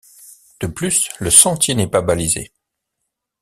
De plus, le sentier n'est pas balisé.